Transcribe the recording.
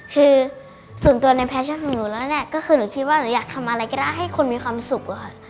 คือส่วนตัวในแพชชั่นหนูแล้วแน่